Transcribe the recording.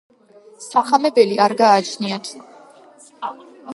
სახამებელი არ გააჩნიათ.